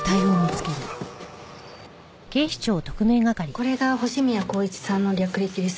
これが星宮光一さんの略歴です。